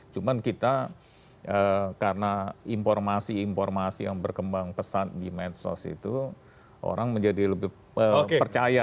cuma kita karena informasi informasi yang berkembang pesat di medsos itu orang menjadi lebih percaya